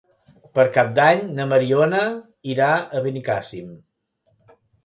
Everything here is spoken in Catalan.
Per Cap d'Any na Mariona irà a Benicàssim.